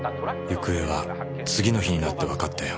行方は次の日になってわかったよ。